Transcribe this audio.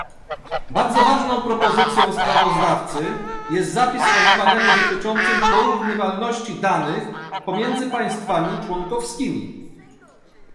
Bardzo ważną propozycją sprawozdawcy jest zapis o wymaganiu dotyczącym porównywalności danych pomiędzy państwami członkowskimi